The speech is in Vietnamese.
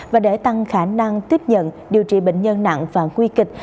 và để tăng khả năng tiếp nhận điều trị bệnh nhân nặng và nguy kịch